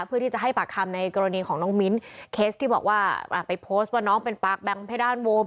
เพื่อที่จะให้ปากคำในกรณีของน้องมิ้นเคสที่บอกว่าไปโพสต์ว่าน้องเป็นปากแบงค์เพดานโวม